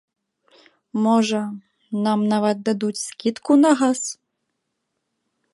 Можа, нам нават дадуць скідку на газ!